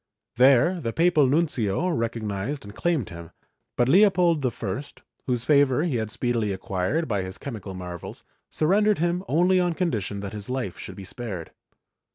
There the papal nuncio recognized and claimed him, but Leopold I, whose favor he had speedily acquired by his chemical marvels, surrendered him only on condition that his life should be spared.